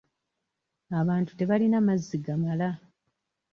Abantu tebalina mazzi gamala.